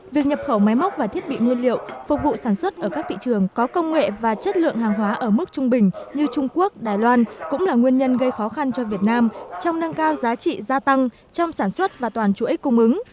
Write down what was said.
việc nhập khẩu máy móc và thiết bị nguyên liệu phục vụ sản xuất ở các thị trường có công nghệ và chất lượng hàng hóa ở mức trung bình như trung quốc đài loan cũng là nguyên nhân gây khó khăn cho việt nam trong nâng cao giá trị gia tăng trong sản xuất và toàn chuỗi cung ứng